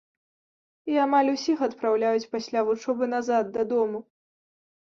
І амаль усіх адпраўляюць пасля вучобы назад, дадому.